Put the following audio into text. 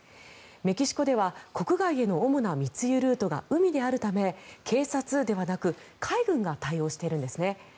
メキシコでは、国外への主な密輸ルートが海であるため警察ではなく海軍が対応しているんですね。